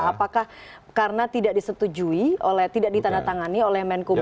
apakah karena tidak disetujui oleh tidak ditandatangani oleh menkumha